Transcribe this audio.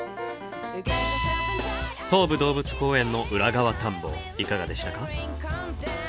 東武動物公園の裏側探訪いかがでしたか？